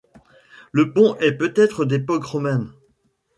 Le pont est peut-être d'époque romane.